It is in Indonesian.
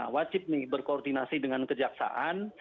wajib berkoordinasi dengan kejaksaan